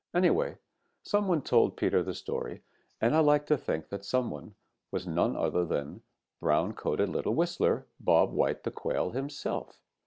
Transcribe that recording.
Anyway, some one told Peter the story, and I like to think that that some one was none other than that brown coated little whistler, Bob White the Quail, himself.